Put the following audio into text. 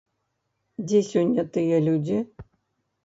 Дзе сёння тыя людзі?